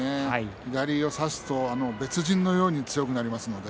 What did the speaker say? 左を差すと別人のように強くなります。